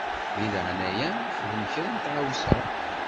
Di leɛnaya-m xdem kra n tɣawsa.